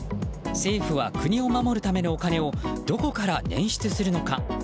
政府は国を守るためのお金をどこから捻出するのか。